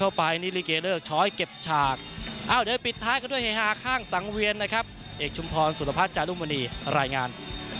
เอ้าเดี๋ยวปิดท้ายก็ด้วยเฮฮาข้างสังเวียนนะครับเอกชุมพรสุรพัฒน์จารุมณีรายงาน